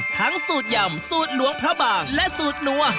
สูตรยำสูตรหลวงพระบางและสูตรนัว